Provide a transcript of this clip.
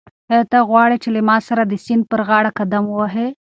آیا ته غواړې چې له ما سره د سیند پر غاړه قدم ووهې؟